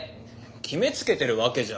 決めつけてるわけじゃ。